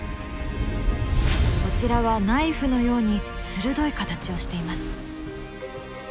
こちらはナイフのように鋭い形をしています。